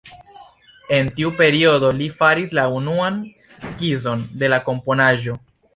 En tiu periodo li faris la unuan skizon de la komponaĵo.